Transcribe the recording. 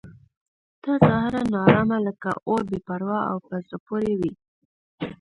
ته ظاهراً ناارامه لکه اور بې پروا او په زړه پورې وې.